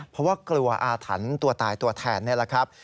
เพราะว่ากลัวอาถรรพ์ตัวตายตัวแทนนี่แหละครับ